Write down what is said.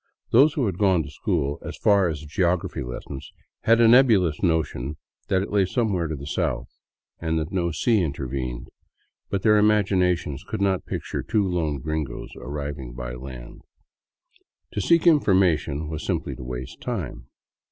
Those who had gone to school as far as the geography lessons had a nebulous notion that it lay somewhere to the south, and that no sea intervened ; but their imaginations could not picture two lone gringos arriving by land. To seek information was simply to waste time.